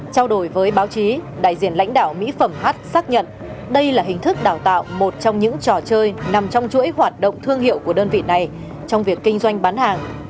trao đổi với báo chí đại diện lãnh đạo mỹ phẩm h xác nhận đây là hình thức đào tạo một trong những trò chơi nằm trong chuỗi hoạt động thương hiệu của đơn vị này trong việc kinh doanh bán hàng